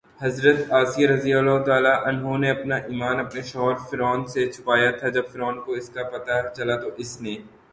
حضرت آسیہ رضی اللہ تعالٰی عنہا نے اپنا ایمان اپنے شوہر فرعون سے چھپایا تھا، جب فرعون کو اس کا پتہ چلا تو اس نے